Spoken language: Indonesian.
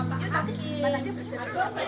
kita belajar dulu kadang sama pak benny